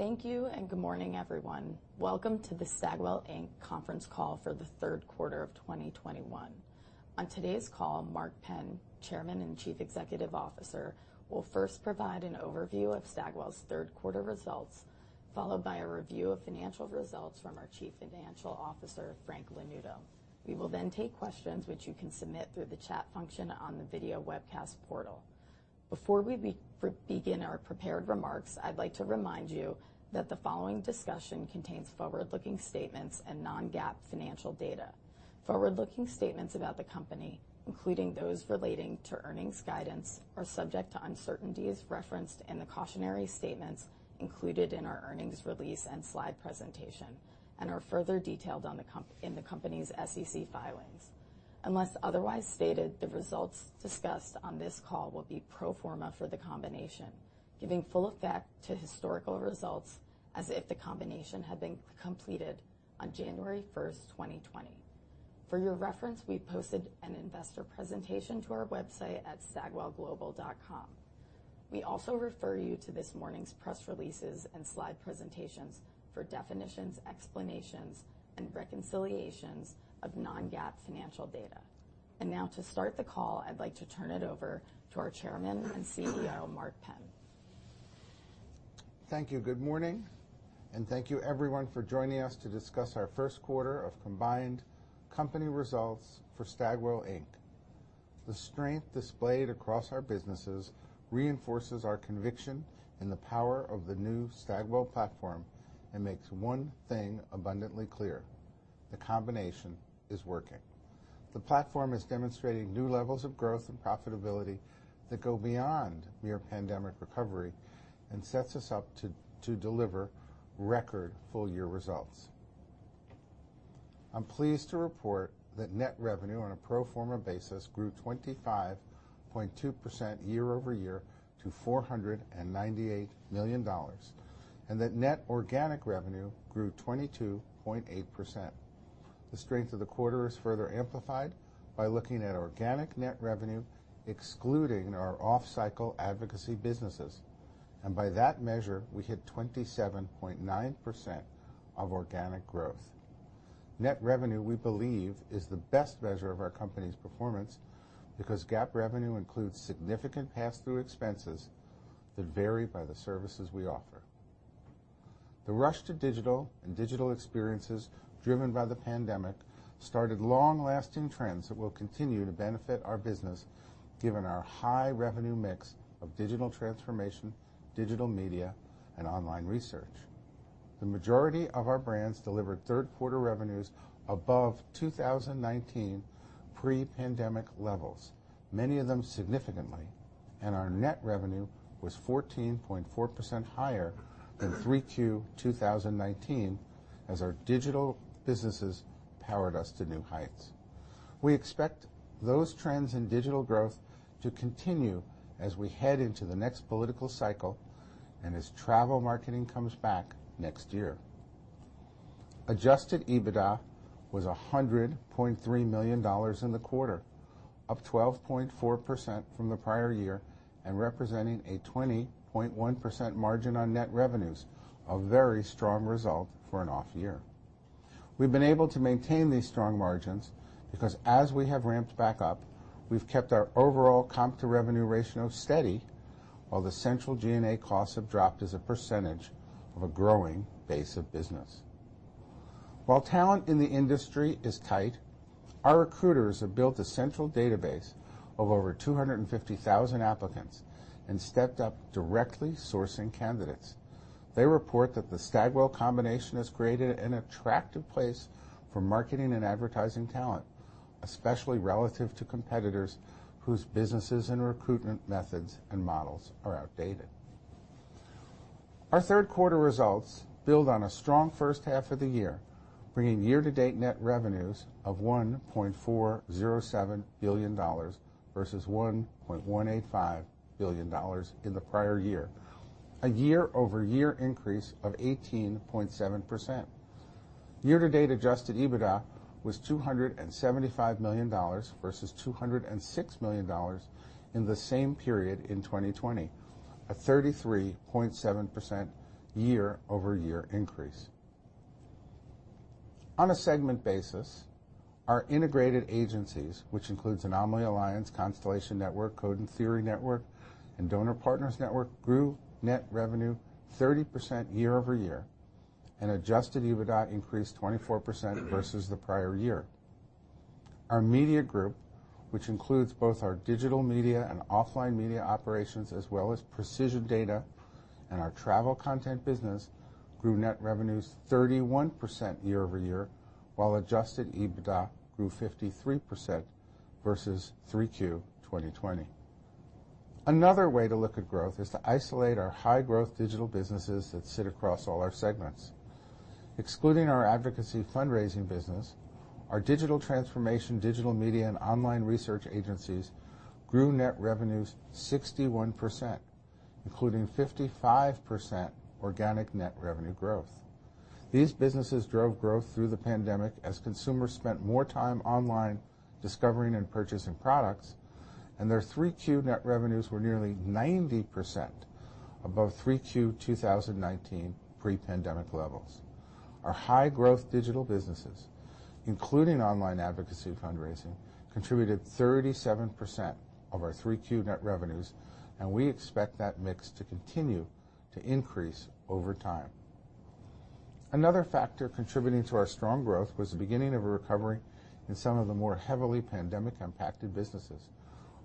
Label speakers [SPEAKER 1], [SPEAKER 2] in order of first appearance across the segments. [SPEAKER 1] Thank you, and good morning, everyone. Welcome to the Stagwell Inc conference call for the Q3 of 2021. On today's call, Mark Penn, Chairman and Chief Executive Officer, will first provide an overview of Stagwell's Q3 results, followed by a review of financial results from our Chief Financial Officer, Frank Lanuto. We will then take questions which you can submit through the chat function on the video webcast portal. Before we begin our prepared remarks, I'd like to remind you that the following discussion contains forward-looking statements and non-GAAP financial data. Forward-looking statements about the company, including those relating to earnings guidance, are subject to uncertainties referenced in the cautionary statements included in our earnings release and slide presentation and are further detailed in the company's SEC filings. Unless otherwise stated, the results discussed on this call will be pro forma for the combination, giving full effect to historical results as if the combination had been completed on January 1, 2020. For your reference, we posted an investor presentation to our website at stagwellglobal.com. We also refer you to this morning's press releases and slide presentations for definitions, explanations, and reconciliations of non-GAAP financial data. Now to start the call, I'd like to turn it over to our Chairman and CEO, Mark Penn.
[SPEAKER 2] Thank you. Good morning, and thank you everyone for joining us to discuss our Q1 of combined company results for Stagwell Inc. The strength displayed across our businesses reinforces our conviction in the power of the new Stagwell platform and makes one thing abundantly clear. The combination is working. The platform is demonstrating new levels of growth and profitability that go beyond mere pandemic recovery and sets us up to deliver record full year results. I'm pleased to report that net revenue on a pro forma basis grew 25.2% year-over-year to $498 million, and that net organic revenue grew 22.8%. The strength of the quarter is further amplified by looking at organic net revenue excluding our off-cycle advocacy businesses. By that measure, we hit 27.9% of organic growth. Net revenue, we believe, is the best measure of our company's performance because GAAP revenue includes significant pass-through expenses that vary by the services we offer. The rush to digital and digital experiences driven by the pandemic started long-lasting trends that will continue to benefit our business given our high revenue mix of digital transformation, digital media, and online research. The majority of our brands delivered Q3 revenues above 2019 pre-pandemic levels, many of them significantly, and our net revenue was 14.4% higher than Q3 2019 as our digital businesses powered us to new heights. We expect those trends in digital growth to continue as we head into the next political cycle and as travel marketing comes back next year. Adjusted EBITDA was $100.3 million in the quarter, up 12.4% from the prior year and representing a 20.1% margin on net revenues, a very strong result for an off year. We've been able to maintain these strong margins because as we have ramped back up, we've kept our overall comp to revenue ratio steady, while the central G&A costs have dropped as a percentage of a growing base of business. While talent in the industry is tight, our recruiters have built a central database of over 250,000 applicants and stepped up directly sourcing candidates. They report that the Stagwell combination has created an attractive place for marketing and advertising talent, especially relative to competitors whose businesses and recruitment methods and models are outdated. Our Q3 results build on a strong H1 of the year, bringing year-to-date net revenues of $1.407 billion versus $1.185 billion in the prior year, a year-over-year increase of 18.7%. Year-to-date Adjusted EBITDA was $275 million versus $206 million in the same period in 2020, a 33.7% year-over-year increase. On a segment basis, our integrated agencies, which includes Anomaly Alliance, Constellation Network, Code and Theory Network, and Doner Partners Network, grew net revenue 30% year-over-year and Adjusted EBITDA increased 24% versus the prior year. Our media group, which includes both our digital media and offline media operations, as well as precision data and our travel content business, grew net revenues 31% year-over-year, while Adjusted EBITDA grew 53% versus 3Q 2020. Another way to look at growth is to isolate our high-growth digital businesses that sit across all our segments. Excluding our advocacy fundraising business, our digital transformation, digital media, and online research agencies grew net revenues 61%, including 55% organic net revenue growth. These businesses drove growth through the pandemic as consumers spent more time online discovering and purchasing products, and their 3Q net revenues were nearly 90% above 3Q 2019 pre-pandemic levels. Our high-growth digital businesses, including online advocacy fundraising, contributed 37% of our 3Q net revenues, and we expect that mix to continue to increase over time. Another factor contributing to our strong growth was the beginning of a recovery in some of the more heavily pandemic-impacted businesses.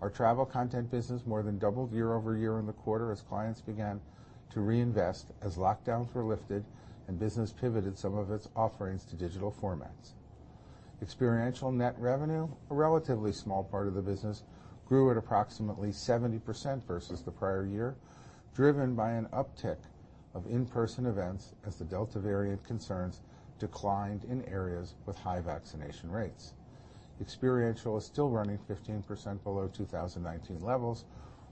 [SPEAKER 2] Our travel content business more than doubled year-over-year in the quarter as clients began to reinvest as lockdowns were lifted and business pivoted some of its offerings to digital formats. Experiential net revenue, a relatively small part of the business, grew at approximately 70% versus the prior year, driven by an uptick of in-person events as the Delta variant concerns declined in areas with high vaccination rates. Experiential is still running 15% below 2019 levels,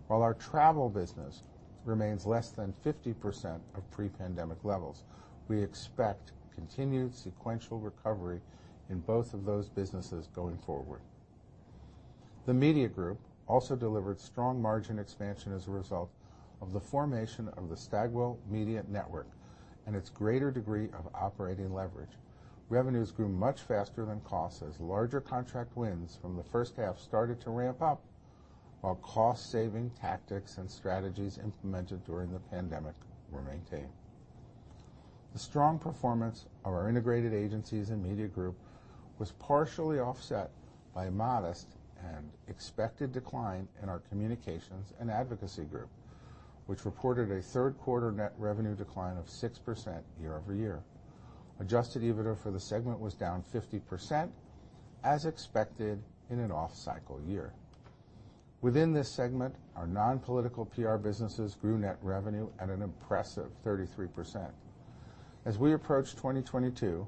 [SPEAKER 2] while our travel business remains less than 50% of pre-pandemic levels. We expect continued sequential recovery in both of those businesses going forward. The Media Group also delivered strong margin expansion as a result of the formation of the Stagwell Media Network and its greater degree of operating leverage. Revenues grew much faster than costs as larger contract wins from the H1 started to ramp up, while cost-saving tactics and strategies implemented during the pandemic were maintained. The strong performance of our integrated agencies and Media Group was partially offset by modest and expected decline in our Communications and Advocacy Group, which reported a Q3 net revenue decline of 6% year-over-year. Adjusted EBITDA for the segment was down 50%, as expected in an off-cycle year. Within this segment, our non-political PR businesses grew net revenue at an impressive 33%. As we approach 2022,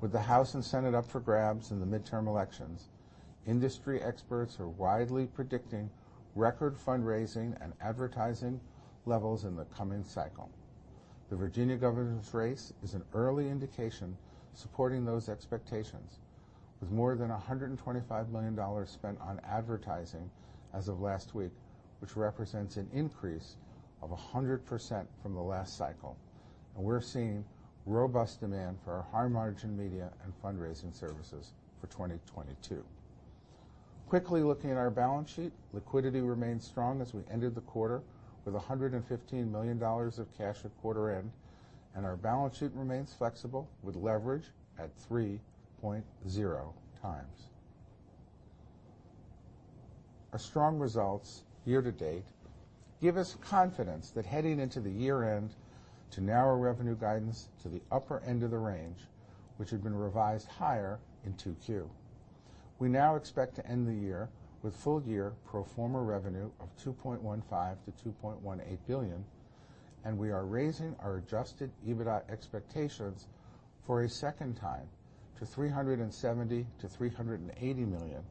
[SPEAKER 2] with the House and Senate up for grabs in the midterm elections, industry experts are widely predicting record fundraising and advertising levels in the coming cycle. The Virginia governor's race is an early indication supporting those expectations, with more than $125 million spent on advertising as of last week, which represents an increase of 100% from the last cycle. We're seeing robust demand for our high-margin media and fundraising services for 2022. Quickly looking at our balance sheet, liquidity remains strong as we ended the quarter with $115 million of cash at quarter end, and our balance sheet remains flexible with leverage at 3.0x. Our strong results year to date give us confidence that, heading into the year end, to narrow revenue guidance to the upper end of the range, which had been revised higher in Q2. We now expect to end the year with full-year pro forma revenue of $2.15 billion-$2.18 billion, and we are raising our Adjusted EBITDA expectations for a second time to $370 million-$380 million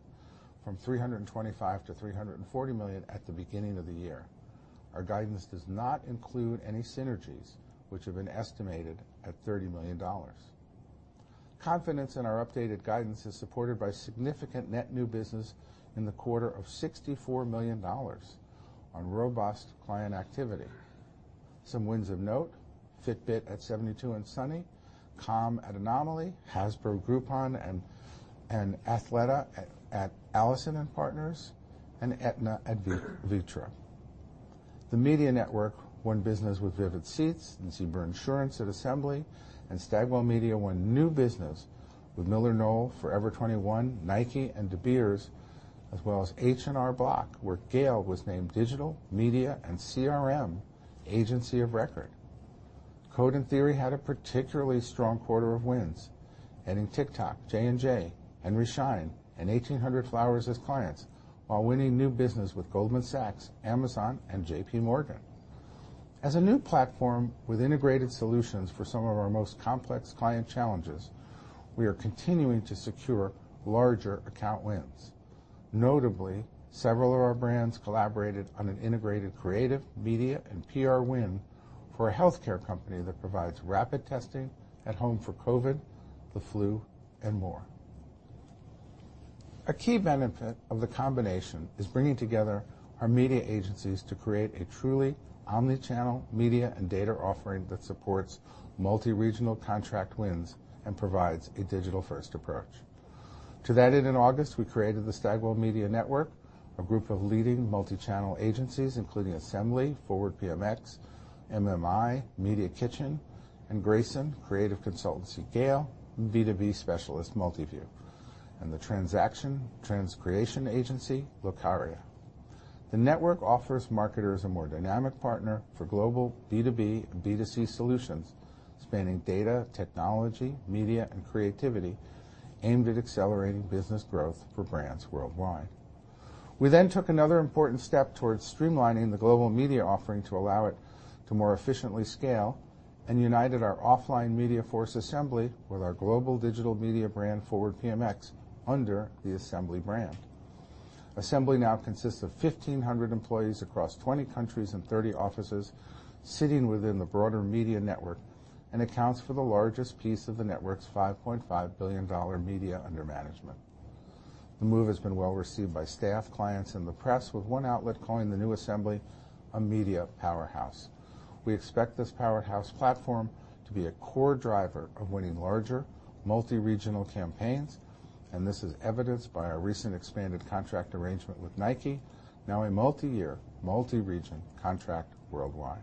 [SPEAKER 2] from $325 million to $340 million at the beginning of the year. Our guidance does not include any synergies which have been estimated at $30 million. Confidence in our updated guidance is supported by significant net new business in the quarter of $64 million on robust client activity. Some wins of note: Fitbit at 72andSunny, Calm at Anomaly, Hasbro, Groupon, and Athleta at Allison+Partners, and Aetna at VITRO. The Media Network won business with Vivid Seats and The Zebra at Assembly, and Stagwell Media won new business with MillerKnoll, Forever 21, Nike, and De Beers, as well as H&R Block, where GALE was named Digital, Media, and CRM Agency of Record. Code and Theory had a particularly strong quarter of wins, adding TikTok, J&J, Henry Schein, and 1-800-Flowers as clients, while winning new business with Goldman Sachs, Amazon, and JP Morgan. As a new platform with integrated solutions for some of our most complex client challenges, we are continuing to secure larger account wins. Notably, several of our brands collaborated on an integrated creative, media, and PR win for a healthcare company that provides rapid testing at home for COVID, the flu, and more. A key benefit of the combination is bringing together our media agencies to create a truly omni-channel media and data offering that supports multi-regional contract wins and provides a digital-first approach. To that end, in August, we created the Stagwell Media Network, a group of leading multi-channel agencies, including Assembly, ForwardPMX, MMI, Media Kitchen, and GALE, and B2B specialist Multiview, and the transcreation agency, Locaria. The network offers marketers a more dynamic partner for global B2B and B2C solutions spanning data, technology, media, and creativity aimed at accelerating business growth for brands worldwide. We took another important step towards streamlining the global media offering to allow it to more efficiently scale and united our offline media force Assembly with our global digital media brand ForwardPMX under the Assembly brand. Assembly now consists of 1,500 employees across 20 countries and 30 offices sitting within the broader media network, and accounts for the largest piece of the network's $5.5 billion media under management. The move has been well-received by staff, clients and the press, with one outlet calling the new Assembly a media powerhouse. We expect this powerhouse platform to be a core driver of winning larger multi-regional campaigns, and this is evidenced by our recent expanded contract arrangement with Nike, now a multi-year, multi-region contract worldwide.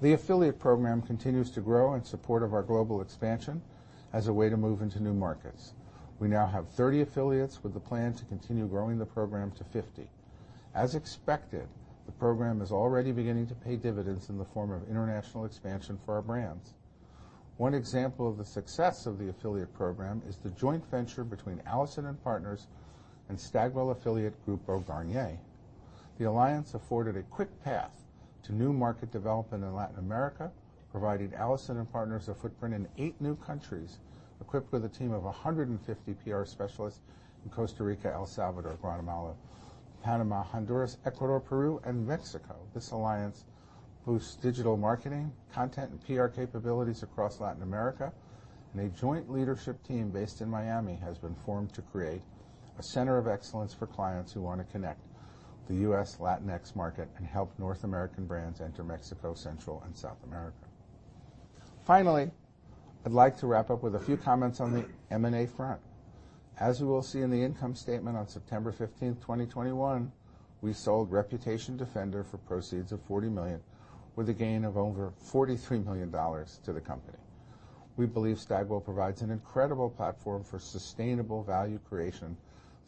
[SPEAKER 2] The affiliate program continues to grow in support of our global expansion as a way to move into new markets. We now have 30 affiliates with the plan to continue growing the program to 50. As expected, the program is already beginning to pay dividends in the form of international expansion for our brands. One example of the success of the affiliate program is the joint venture between Allison+Partners and Stagwell affiliate Grupo Garnier. The alliance afforded a quick path to new market development in Latin America, providing Allison+Partners a footprint in eight new countries, equipped with a team of 150 PR specialists in Costa Rica, El Salvador, Guatemala, Panama, Honduras, Ecuador, Peru and Mexico. This alliance boosts digital marketing, content and PR capabilities across Latin America and a joint leadership team based in Miami has been formed to create a center of excellence for clients who want to connect the U.S. Latinx market and help North American brands enter Mexico, Central and South America. Finally, I'd like to wrap up with a few comments on the M&A front. As you will see in the income statement on September 15, 2021, we sold ReputationDefender for proceeds of $40 million with a gain of over $43 million to the company. We believe Stagwell provides an incredible platform for sustainable value creation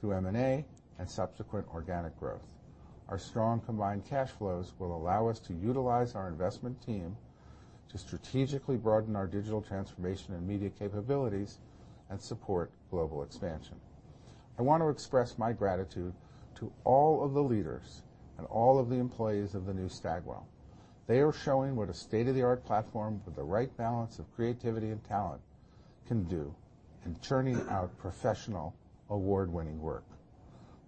[SPEAKER 2] through M&A and subsequent organic growth. Our strong combined cash flows will allow us to utilize our investment team to strategically broaden our digital transformation and media capabilities and support global expansion. I want to express my gratitude to all of the leaders and all of the employees of the new Stagwell. They are showing what a state-of-the-art platform with the right balance of creativity and talent can do in churning out professional award-winning work.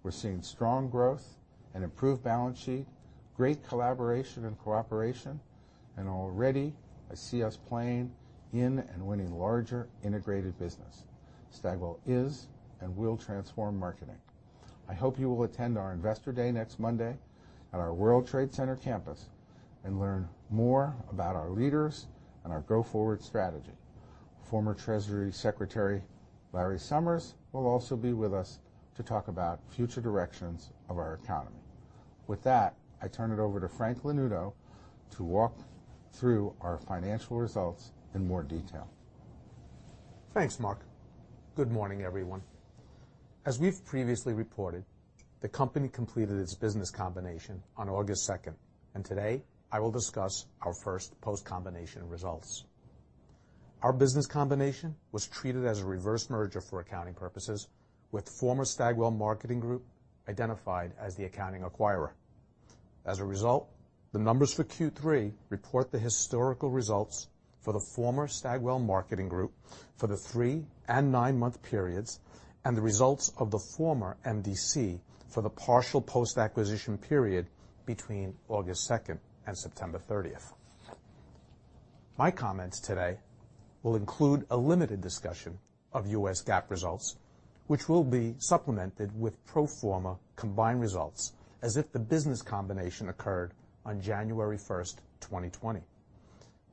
[SPEAKER 2] We're seeing strong growth, an improved balance sheet, great collaboration and cooperation, and already I see us playing in and winning larger integrated business. Stagwell is and will transform marketing. I hope you will attend our Investor Day next Monday at our World Trade Center campus and learn more about our leaders and our go-forward strategy. Former Treasury Secretary Larry Summers will also be with us to talk about future directions of our economy. With that, I turn it over to Frank Lanuto to walk through our financial results in more detail.
[SPEAKER 3] Thanks, Mark. Good morning, everyone. As we've previously reported, the company completed its business combination on August 2, and today I will discuss our first post-combination results. Our business combination was treated as a reverse merger for accounting purposes, with former Stagwell Marketing Group identified as the accounting acquirer. As a result, the numbers for Q3 report the historical results for the former Stagwell Marketing Group for the three- and nine-month periods, and the results of the former MDC for the partial post-acquisition period between August 2 and September 30. My comments today will include a limited discussion of U.S. GAAP results, which will be supplemented with pro forma combined results as if the business combination occurred on January 1, 2020.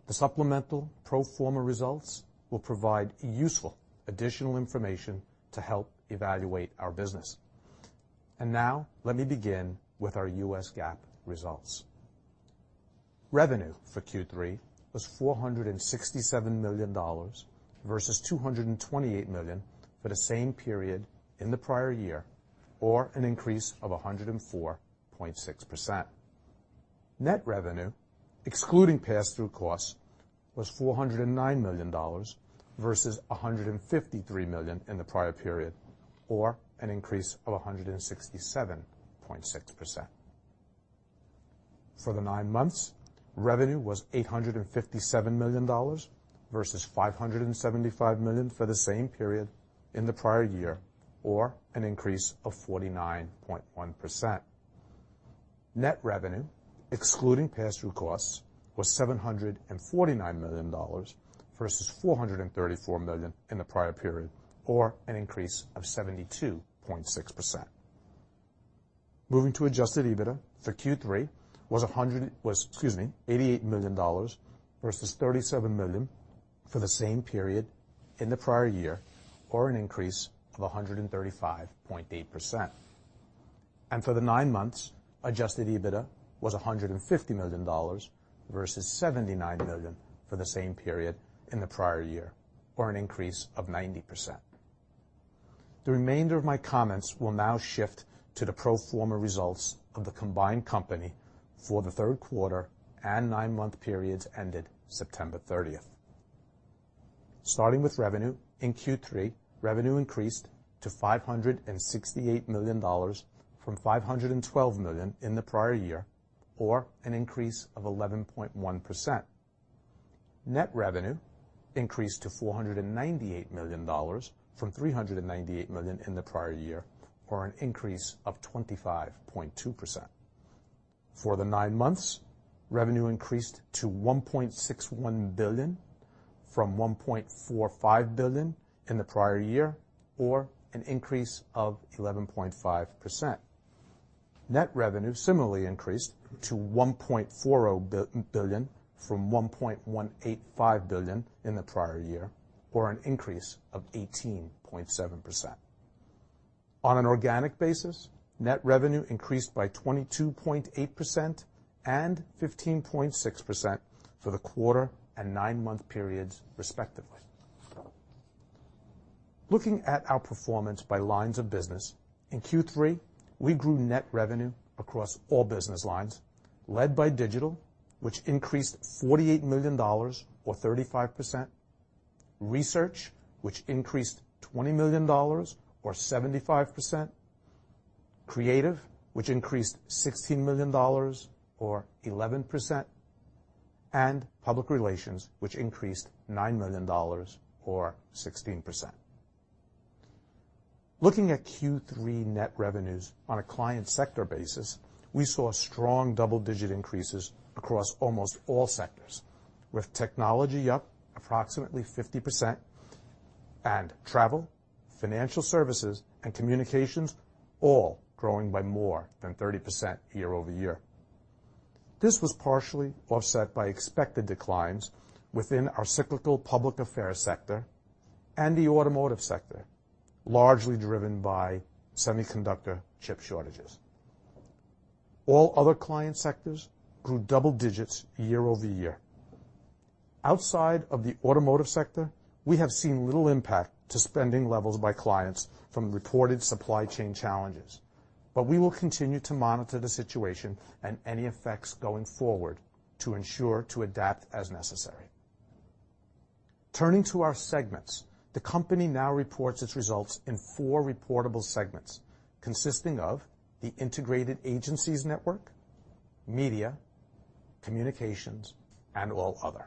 [SPEAKER 3] The supplemental pro forma results will provide useful additional information to help evaluate our business. Now let me begin with our U.S. GAAP results. Revenue for Q3 was $467 million versus $228 million for the same period in the prior year, or an increase of 104.6%. Net revenue, excluding pass-through costs, was $409 million versus $153 million in the prior period, or an increase of 167.6%. For the nine months, revenue was $857 million versus $575 million for the same period in the prior year, or an increase of 49.1%. Net revenue, excluding pass-through costs, was $749 million versus $434 million in the prior period, or an increase of 72.6%. Moving to adjusted EBITDA for Q3 was a hundred... was, excuse me, $88 million versus $37 million for the same period in the prior year, or an increase of 135.8%. For the nine months, Adjusted EBITDA was $150 million versus $79 million for the same period in the prior year, or an increase of 90%. The remainder of my comments will now shift to the pro forma results of the combined company for the Q3 and nine-month periods ended September 30. Starting with revenue in Q3, revenue increased to $568 million from $512 million in the prior year, or an increase of 11.1%. Net revenue increased to $498 million from $398 million in the prior year, or an increase of 25.2%. For the nine months, revenue increased to $1.61 billion from $1.45 billion in the prior year, or an increase of 11.5%. Net revenue similarly increased to $1.4 billion from $1.185 billion in the prior year, or an increase of 18.7%. On an organic basis, net revenue increased by 22.8% and 15.6% for the quarter and nine-month periods, respectively. Looking at our performance by lines of business, in Q3, we grew net revenue across all business lines, led by digital, which increased $48 million or 35%, research which increased $20 million or 75%, creative, which increased $16 million or 11%, and public relations which increased $9 million or 16%. Looking at Q3 net revenues on a client sector basis, we saw strong double-digit increases across almost all sectors, with technology up approximately 50% and travel, financial services and communications all growing by more than 30% year-over-year. This was partially offset by expected declines within our cyclical public affairs sector and the automotive sector, largely driven by semiconductor chip shortages. All other client sectors grew double digits year-over-year. Outside of the automotive sector, we have seen little impact to spending levels by clients from reported supply chain challenges. We will continue to monitor the situation and any effects going forward to ensure to adapt as necessary. Turning to our segments, the company now reports its results in four reportable segments, consisting of the Integrated Agencies Network, Media, Communications, and All Other.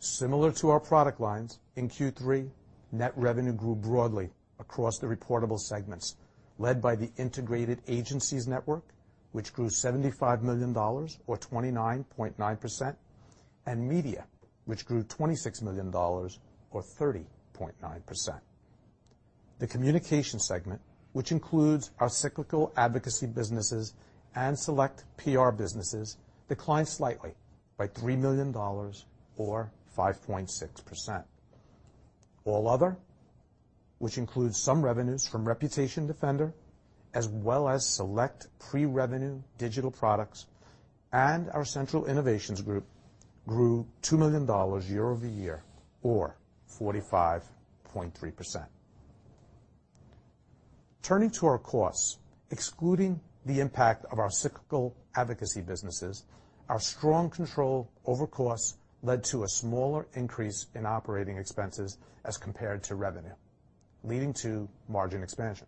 [SPEAKER 3] Similar to our product lines, in Q3, net revenue grew broadly across the reportable segments, led by the Integrated Agencies Network, which grew $75 million or 29.9%, and Media, which grew $26 million or 30.9%. The Communications segment, which includes our cyclical advocacy businesses and select PR businesses, declined slightly by $3 million or 5.6%. All Other, which includes some revenues from ReputationDefender, as well as select pre-revenue digital products, and our central innovations group grew $2 million year-over-year or 45.3%. Turning to our costs, excluding the impact of our cyclical advocacy businesses, our strong control over costs led to a smaller increase in operating expenses as compared to revenue, leading to margin expansion.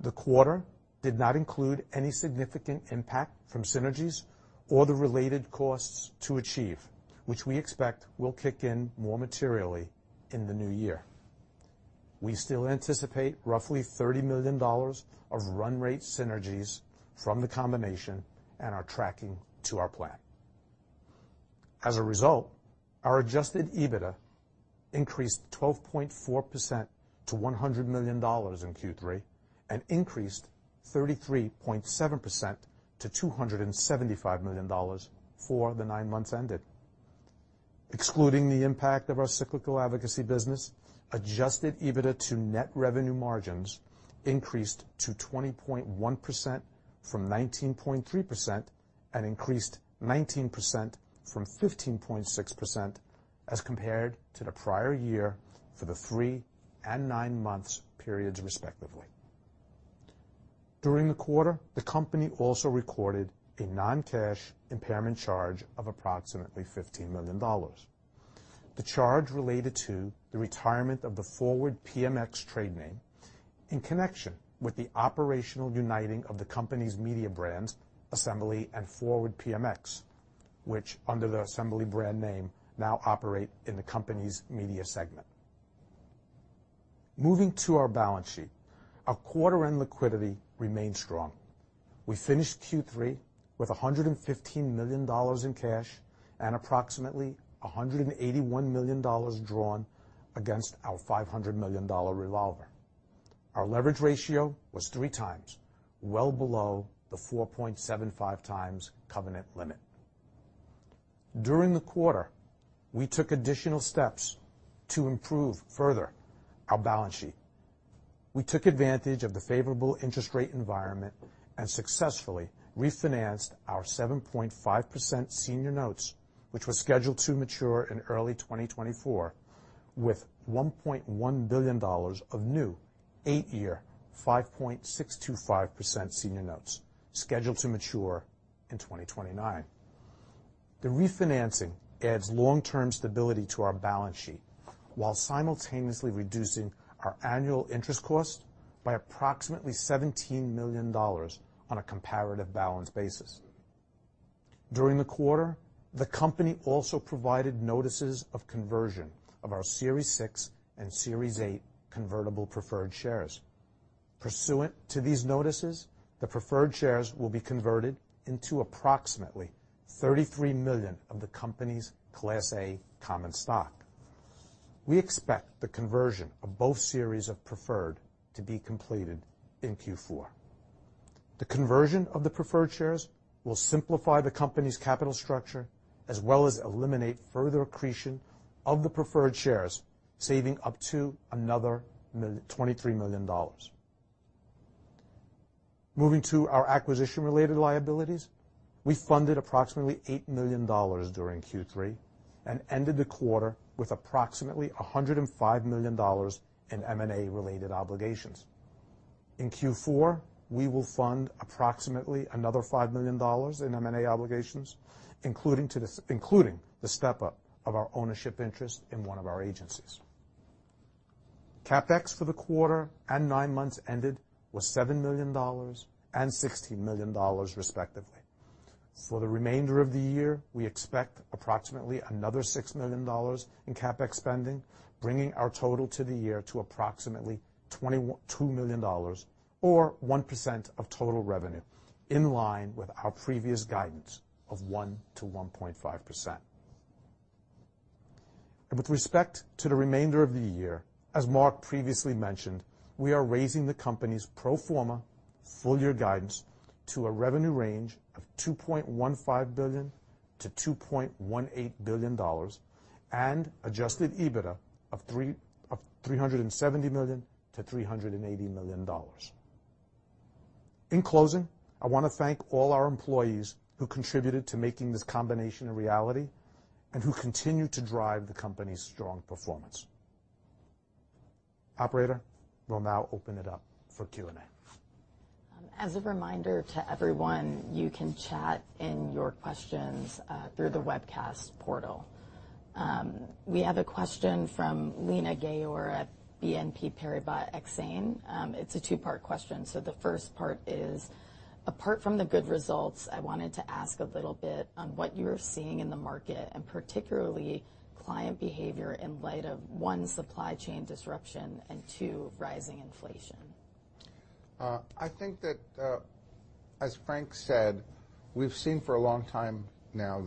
[SPEAKER 3] The quarter did not include any significant impact from synergies or the related costs to achieve, which we expect will kick in more materially in the new year. We still anticipate roughly $30 million of run rate synergies from the combination and are tracking to our plan. As a result, our Adjusted EBITDA increased 12.4% to $100 million in Q3 and increased 33.7% to $275 million for the nine months ended. Excluding the impact of our cyclical advocacy business, Adjusted EBITDA to net revenue margins increased to 20.1% from 19.3% and increased 19% from 15.6% as compared to the prior year for the three and nine months periods respectively. During the quarter, the company also recorded a non-cash impairment charge of approximately $15 million. The charge related to the retirement of the ForwardPMX trade name in connection with the operational uniting of the company's media brands, Assembly and ForwardPMX, which under the Assembly brand name now operate in the company's media segment. Moving to our balance sheet, our quarter end liquidity remains strong. We finished Q3 with $115 million in cash and approximately $181 million drawn against our $500 million revolver. Our leverage ratio was 3x, well below the 4.75x covenant limit. During the quarter, we took additional steps to improve further our balance sheet. We took advantage of the favorable interest rate environment and successfully refinanced our 7.5% senior notes, which was scheduled to mature in early 2024 with $1.1 billion of new eight-year, 5.625% senior notes scheduled to mature in 2029. The refinancing adds long-term stability to our balance sheet. While simultaneously reducing our annual interest cost by approximately $17 million on a comparative balance basis. During the quarter, the company also provided notices of conversion of our Series 6 and Series 8 convertible preferred shares. Pursuant to these notices, the preferred shares will be converted into approximately 33 million of the company's Class A common stock. We expect the conversion of both series of preferred to be completed in Q4. The conversion of the preferred shares will simplify the company's capital structure as well as eliminate further accretion of the preferred shares, saving up to another $23 million. Moving to our acquisition-related liabilities. We funded approximately $8 million during Q3 and ended the quarter with approximately $105 million in M&A related obligations. In Q4, we will fund approximately another $5 million in M&A obligations, including the step-up of our ownership interest in one of our agencies. CapEx for the quarter and nine months ended was $7 million and $16 million, respectively.
[SPEAKER 4] For the remainder of the year, we expect approximately another $6 million in CapEx spending, bringing our total to the year to approximately $22 million or 1% of total revenue, in line with our previous guidance of 1%-1.5%. With respect to the remainder of the year, as Mark previously mentioned, we are raising the company's pro forma full-year guidance to a revenue range of $2.15 billion-$2.18 billion and Adjusted EBITDA of $370 million-$380 million. In closing, I wanna thank all our employees who contributed to making this combination a reality and who continue to drive the company's strong performance. Operator, we'll now open it up for Q&A. As a reminder to everyone, you can chat in your questions through the webcast portal. We have a question from Lina Ghaiour at BNP Paribas Exane. It's a two-part question. The first part is: Apart from the good results, I wanted to ask a little bit on what you're seeing in the market and particularly client behavior in light of, one, supply chain disruption and, two, rising inflation.
[SPEAKER 2] I think that, as Frank said, we've seen for a long time now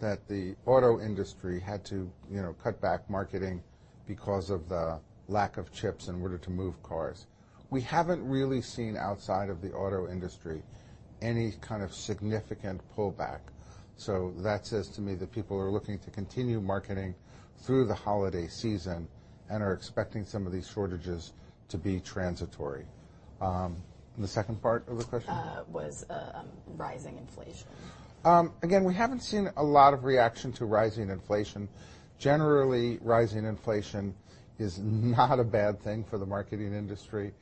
[SPEAKER 2] that the auto industry had to, you know, cut back marketing because of the lack of chips in order to move cars. We haven't really seen, outside of the auto industry, any kind of significant pullback. That says to me that people are looking to continue marketing through the holiday season and are expecting some of these shortages to be transitory. The second part of the question?
[SPEAKER 1] Was rising inflation.
[SPEAKER 2] Again, we haven't seen a lot of reaction to rising inflation. Generally, rising inflation is not a bad thing for the marketing industry.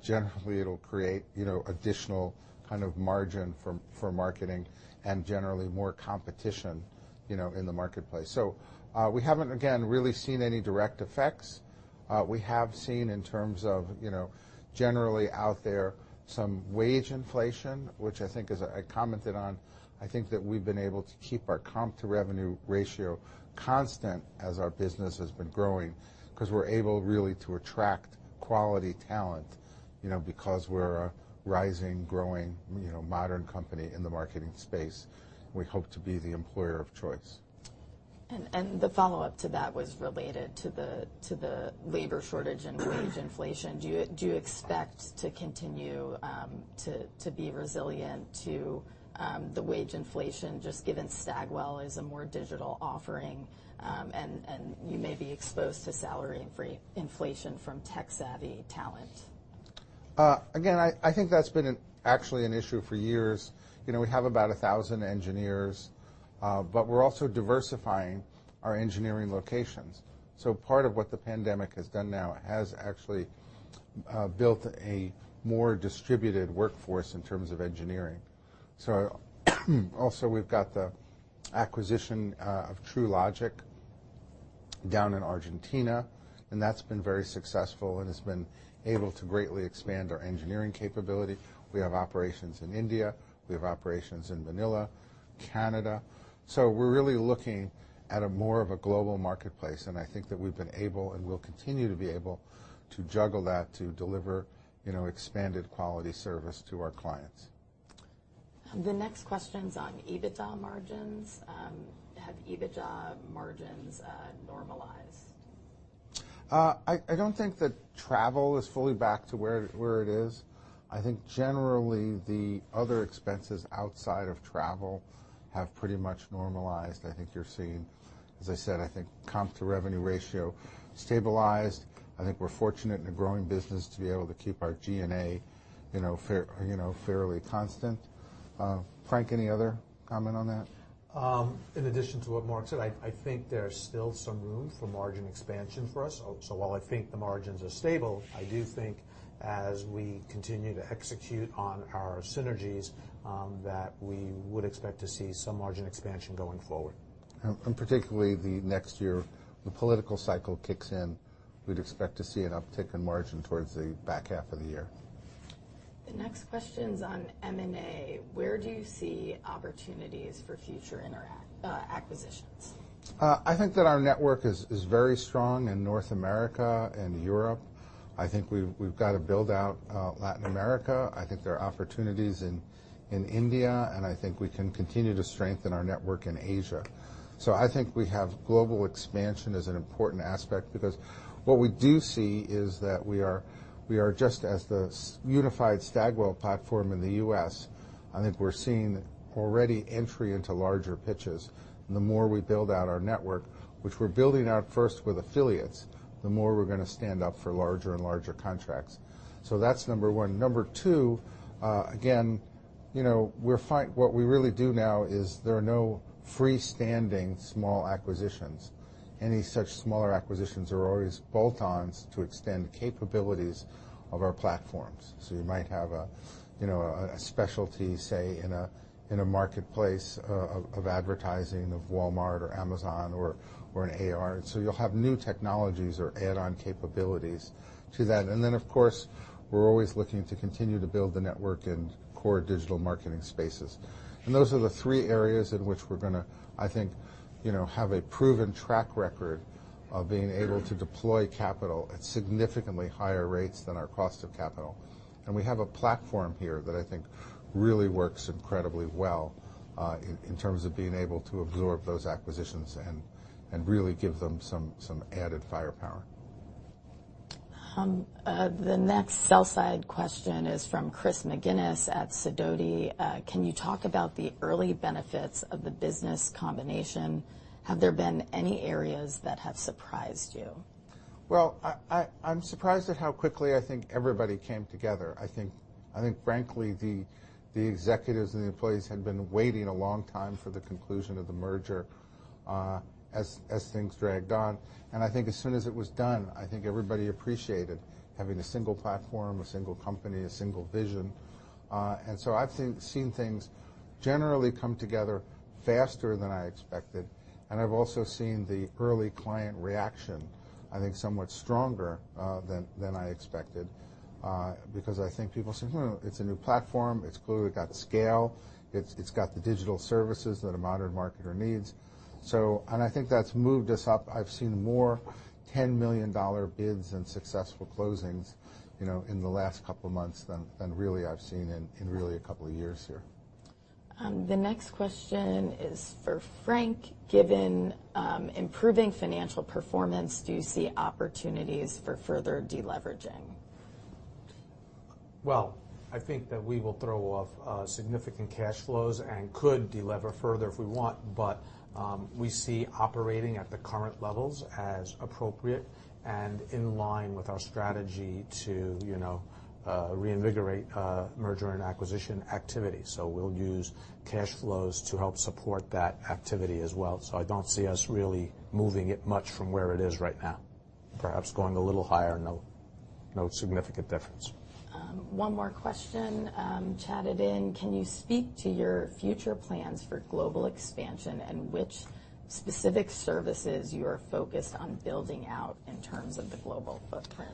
[SPEAKER 2] Generally it'll create, you know, additional kind of margin for marketing and generally more competition, you know, in the marketplace. We haven't, again, really seen any direct effects. We have seen in terms of, you know, generally out there some wage inflation, which I think I commented on. I think that we've been able to keep our comp to revenue ratio constant as our business has been growing because we're able really to attract quality talent, you know, because we're a rising, growing, you know, modern company in the marketing space. We hope to be the employer of choice.
[SPEAKER 1] The follow-up to that was related to the labor shortage and wage inflation. Do you expect to continue to be resilient to the wage inflation, just given Stagwell is a more digital offering, and you may be exposed to salary inflation from tech-savvy talent?
[SPEAKER 2] Again, I think that's been actually an issue for years. You know, we have about 1,000 engineers, but we're also diversifying our engineering locations. Part of what the pandemic has done now has actually built a more distributed workforce in terms of engineering. Also, we've got the acquisition of Truelogic down in Argentina, and that's been very successful, and it's been able to greatly expand our engineering capability. We have operations in India. We have operations in Manila, Canada. We're really looking at a more of a global marketplace, and I think that we've been able and will continue to be able to juggle that to deliver, you know, expanded quality service to our clients.
[SPEAKER 1] The next question's on EBITDA margins. Have EBITDA margins normalized?
[SPEAKER 2] I don't think that travel is fully back to where it is. I think generally the other expenses outside of travel have pretty much normalized. I think you're seeing, as I said, I think comp to revenue ratio stabilized. I think we're fortunate in a growing business to be able to keep our G&A, you know, fairly constant. Frank, any other comment on that?
[SPEAKER 3] In addition to what Mark said, I think there's still some room for margin expansion for us. While I think the margins are stable, I do think as we continue to execute on our synergies, that we would expect to see some margin expansion going forward.
[SPEAKER 2] Particularly the next year, the political cycle kicks in. We'd expect to see an uptick in margin towards the back half of the year.
[SPEAKER 1] The next question's on M&A. Where do you see opportunities for future acquisitions?
[SPEAKER 2] I think that our network is very strong in North America and Europe. I think we've got to build out Latin America. I think there are opportunities in India, and I think we can continue to strengthen our network in Asia. I think we have global expansion as an important aspect because what we do see is that we are just as the unified Stagwell platform in the US, I think we're seeing already entry into larger pitches. The more we build out our network, which we're building out first with affiliates, the more we're gonna stand up for larger and larger contracts. That's number one. Number two, again, you know, what we really do now is there are no freestanding small acquisitions. Any such smaller acquisitions are always bolt-ons to extend capabilities of our platforms. You might have a, you know, a specialty, say, in a marketplace of advertising of Walmart or Amazon or an AR. You'll have new technologies or add-on capabilities to that. Then, of course, we're always looking to continue to build the network in core digital marketing spaces. Those are the three areas in which we're gonna, I think, you know, have a proven track record of being able to deploy capital at significantly higher rates than our cost of capital. We have a platform here that I think really works incredibly well in terms of being able to absorb those acquisitions and really give them some added firepower.
[SPEAKER 1] The next sell-side question is from Chris McGinnis at Sidoti. Can you talk about the early benefits of the business combination? Have there been any areas that have surprised you?
[SPEAKER 2] Well, I'm surprised at how quickly I think everybody came together. I think frankly, the executives and the employees had been waiting a long time for the conclusion of the merger, as things dragged on. I think as soon as it was done, I think everybody appreciated having a single platform, a single company, a single vision. I've seen things generally come together faster than I expected. I've also seen the early client reaction, I think, somewhat stronger than I expected, because I think people said, "Well, it's a new platform. It's glued. We've got the scale. It's got the digital services that a modern marketer needs." I think that's moved us up. I've seen more $10 million bids and successful closings, you know, in the last couple of months than really I've seen in really a couple of years here.
[SPEAKER 1] The next question is for Frank. Given improving financial performance, do you see opportunities for further deleveraging?
[SPEAKER 3] Well, I think that we will throw off significant cash flows and could delever further if we want. We see operating at the current levels as appropriate and in line with our strategy to, you know, reinvigorate merger and acquisition activity. We'll use cash flows to help support that activity as well. I don't see us really moving it much from where it is right now. Perhaps going a little higher. No, no significant difference.
[SPEAKER 1] One more question, chatted in. Can you speak to your future plans for global expansion and which specific services you are focused on building out in terms of the global footprint?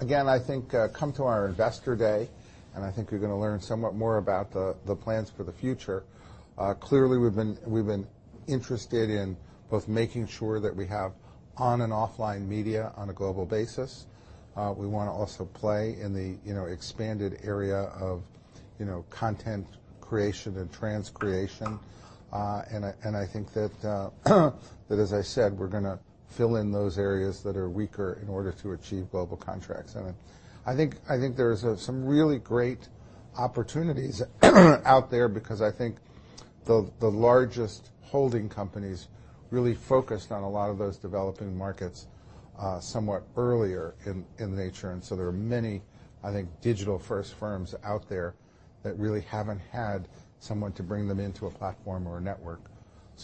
[SPEAKER 2] Again, I think come to our Investor Day, and I think you're gonna learn somewhat more about the plans for the future. Clearly, we've been interested in both making sure that we have on and offline media on a global basis. We wanna also play in the, you know, expanded area of, you know, content creation and transcreation. I think that as I said, we're gonna fill in those areas that are weaker in order to achieve global contracts. I think there's some really great opportunities out there because I think the largest holding companies really focused on a lot of those developing markets somewhat earlier in nature. There are many, I think, digital-first firms out there that really haven't had someone to bring them into a platform or a network.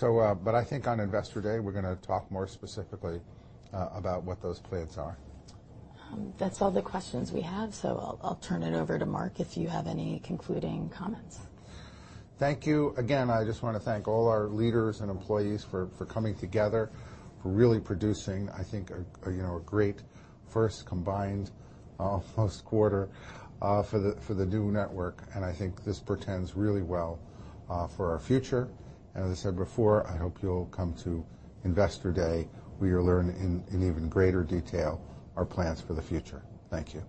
[SPEAKER 2] But I think on Investor Day, we're gonna talk more specifically about what those plans are.
[SPEAKER 1] That's all the questions we have. I'll turn it over to Mark if you have any concluding comments.
[SPEAKER 2] Thank you. Again, I just wanna thank all our leaders and employees for coming together, for really producing, I think, you know, a great first combined quarter for the new network. I think this portends really well for our future. As I said before, I hope you'll come to Investor Day, where you'll learn in even greater detail our plans for the future. Thank you.